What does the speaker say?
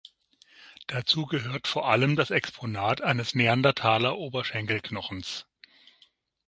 Dazu gehört vor allem das Exponat eines Neandertaler-Oberschenkelknochens.